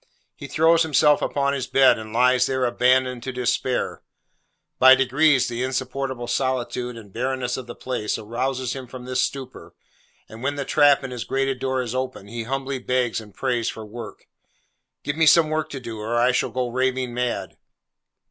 He throws himself upon his bed, and lies there abandoned to despair. By degrees the insupportable solitude and barrenness of the place rouses him from this stupor, and when the trap in his grated door is opened, he humbly begs and prays for work. 'Give me some work to do, or I shall go raving mad!